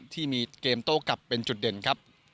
ที่มีเกมโต้กลับเป็นจุดเด่นครับ